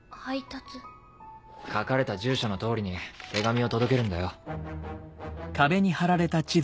書かれた住所の通りに手紙を届けるんだよ。